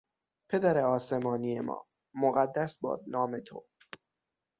پدر آسمانی ما، مقدس باد نام تو!